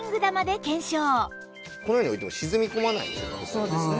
このように置いても沈み込まないんです。